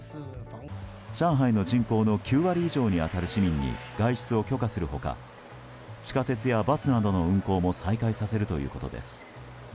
上海の人口の９割以上に当たる市民に外出を許可する他地下鉄やバスなどの運行も再開させるということです。